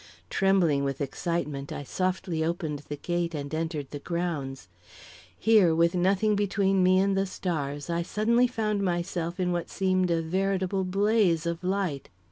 Trembling with excitement, I softly opened the gate and entered the grounds. Here, with nothing between me and the stars, I suddenly found myself in what seemed a veritable blaze of light.